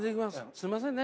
すんませんね。